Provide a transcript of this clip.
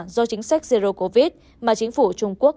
do chính sách zero covid mà chính phủ trung quốc